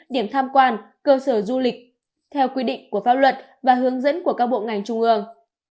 điểm tham quan cơ sở du lịch theo quy định của pháp luật và hướng dẫn của các bộ ngành trung ương